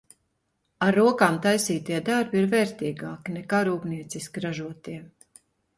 Ar rokām taisītie darbi ir vērtīgāki, nekā rūpnieciski ražotie!